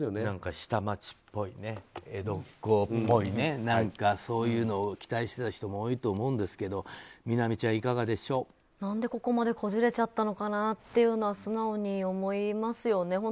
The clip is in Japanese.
何か下町っぽい江戸っ子っぽいそういうのを期待していた人も多いと思うんですが何でここまでこじれちゃったのかなっていうのは素直に思いますよね。